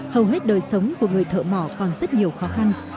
hầu hết đời sống của người thợ mỏ còn rất nhiều khó khăn